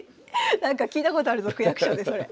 なんか聞いたことあるぞ区役所でそれ。